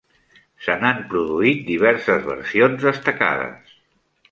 Se n'han produït diverses versions destacades.